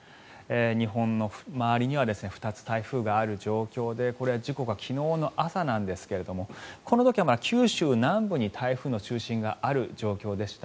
日本の周りには２つ、台風がある状況でこれ、時刻が昨日の朝なんですがこの時はまだ九州南部に台風の中心がある状況でした。